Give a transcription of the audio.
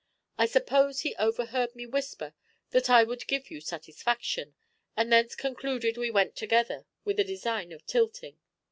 I suppose he overheard me whisper that I would give you satisfaction, and thence concluded we went together with a design of tilting.